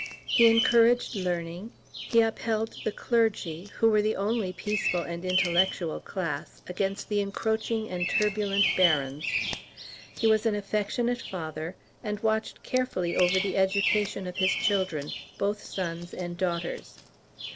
He encouraged learning; he upheld the clergy, who were the only peaceful and intellectual class, against the encroaching and turbulent barons; he was an affectionate father, and watched carefully over the education of his children, both sons and daughters.